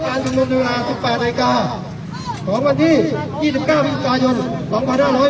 มาชุมนุมที่นี่พี่ก็ไม่ให้สถานที่อยู่ที่นี่